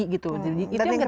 jadi itu yang kita butuhkan